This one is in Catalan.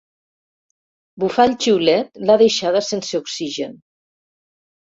Bufar el xiulet l'ha deixada sense oxigen.